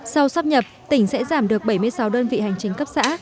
sau sắp nhập tỉnh sẽ giảm được bảy mươi sáu đơn vị hành chính cấp xã